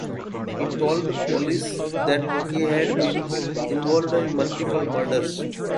He told police that he had been involved in multiple murders.